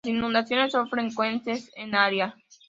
Las inundaciones son frecuentes en el área.